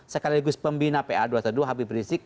sekaligus pembina pa dua puluh dua habib rizik